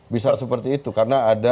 bisa seperti itu karena ada